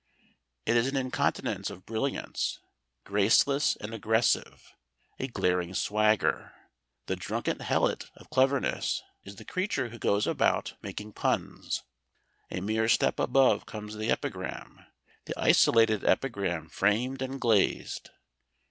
It is an incontinence of brilliance, graceless and aggressive, a glaring swagger. The drunken helot of cleverness is the creature who goes about making puns. A mere step above comes the epigram, the isolated epigram framed and glazed.